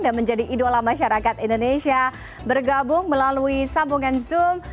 dan menjadi idola masyarakat indonesia bergabung melalui sambungan zoom